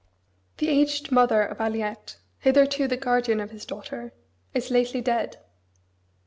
The aged mother of Aliette, hitherto the guardian of his daughter, is lately dead.